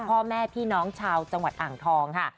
พ่อแม่พี่น้องชาวจังหวัดอ่างทองค่ะ